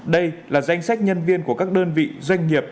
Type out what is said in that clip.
đây là danh sách nhân viên của các đơn vị doanh nghiệp